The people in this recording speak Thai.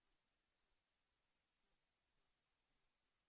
อันนี้จะมีร้อย